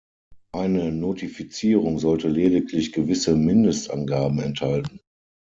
Eine Notifizierung sollte lediglich gewisse Mindestangaben enthalten.